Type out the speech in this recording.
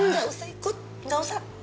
gak usah ikut gak usah